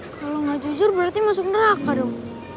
kalau nggak jujur berarti masuk neraka dong